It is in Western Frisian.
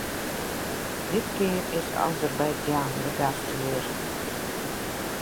Ditkear is Azerbeidzjan de gasthear.